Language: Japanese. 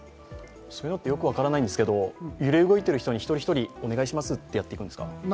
そういうのはよく分からないんですけど、揺れ動いている人、一人一人にお願いしますってやっていくんですか？